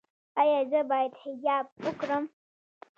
ایا زه باید حجاب وکړم؟